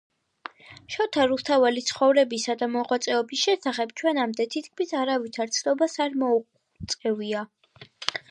შოთა რუსთაველის ცხოვრებისა და მოღვაწეობის შესახებ ჩვენამდე თითქმის არავითარ ცნობას არ მოუღწევია